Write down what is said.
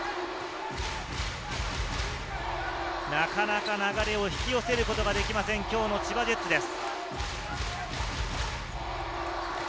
なかなか流れを引き寄せることができません、今日の千葉ジェッツです。